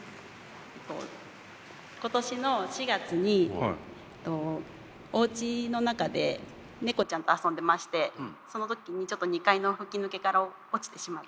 今年の４月におうちの中で猫ちゃんと遊んでましてその時にちょっと２階の吹き抜けから落ちてしまって。